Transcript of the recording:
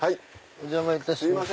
お邪魔いたします。